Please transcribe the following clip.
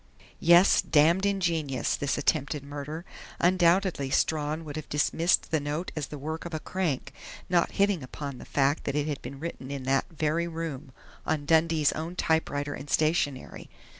Yes, damned ingenious, this attempted murder! Undoubtedly Strawn would have dismissed the note as the work of a crank, not hitting upon the fact that it had been written in that very room, on Dundee's own typewriter and stationery.